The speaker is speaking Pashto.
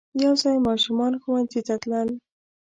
یو ځای ماشومان ښوونځی ته تلل.